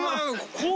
こう。